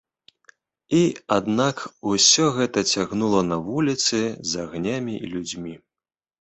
І, аднак, усё гэта цягнула на вуліцы з агнямі і людзьмі.